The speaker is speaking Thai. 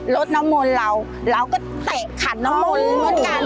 รถน้ำมนต์เราเราก็เตะขันน้ำมนต์เหมือนกัน